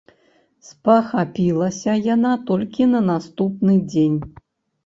Спахапілася яна толькі на наступны дзень.